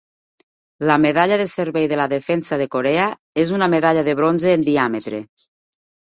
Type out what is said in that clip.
La medalla de servei de la defensa de Corea és una medalla de bronze en diàmetre.